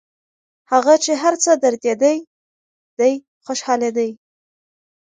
هغه چي هر څه دردېدی دی خوشحالېدی